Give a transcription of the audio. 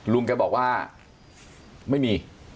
ลุงแกบอกว่าไม่มี